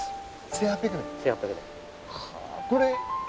１８００年。